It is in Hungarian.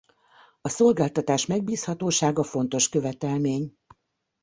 A szolgáltatás megbízhatósága fontos követelmény.